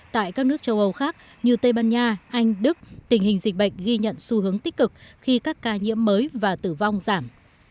tại các nước châu âu khác như tây ban nha anh đức tình hình dịch bệnh ghi nhận xu hướng tích cực khi các ca nhiễm mới và tử vong giảm